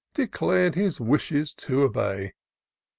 Declared his wishes to obey.